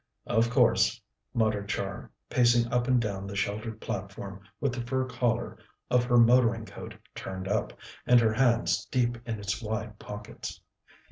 "Of course!" muttered Char, pacing up and down the sheltered platform with the fur collar of her motoring coat turned up, and her hands deep in its wide pockets.